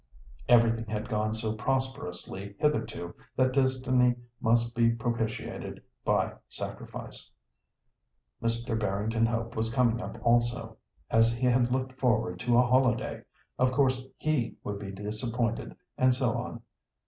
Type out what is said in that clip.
Everything had gone so prosperously hitherto that Destiny must be propitiated by sacrifice. Mr. Barrington Hope was coming up also, as he had looked forward to a holiday—of course he would be disappointed, and so on.